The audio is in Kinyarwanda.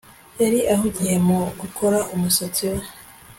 Yari ahugiye mu gukora umusatsi we